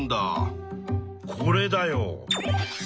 これだよ。